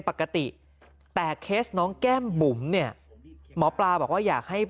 ปกติแต่เคสน้องแก้มบุ๋มเนี่ยหมอปลาบอกว่าอยากให้